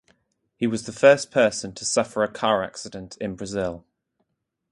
He was the first person to suffer a car accident in Brazil.